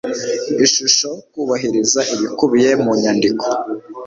ishusho kubahiriza ibikubiye mu nyandiko